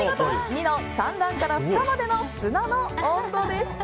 ２の産卵から孵化までの砂の温度でした！